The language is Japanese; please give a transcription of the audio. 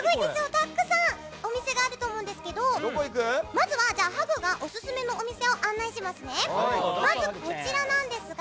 たくさんお店があると思うんですけどまずはハグがオススメのお店を案内しますね。